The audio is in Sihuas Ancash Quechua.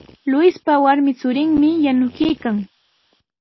Luispa warmi churinmi yanukuykan.